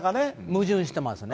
矛盾してますね。